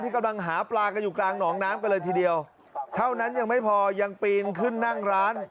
กำลังหาปลากันอยู่กลางหนองน้ำกันเลยทีเดียวเท่านั้นยังไม่พอยังปีนขึ้นนั่งร้าน